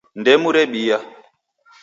Ndemu rebia.